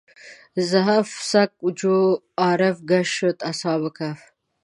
زحف سګ چو عارف ګشت شد اصحاب کهف.